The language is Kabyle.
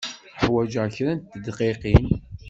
Ḥwajeɣ kra n tedqiqin.